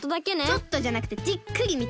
ちょっとじゃなくてじっくりみてよ！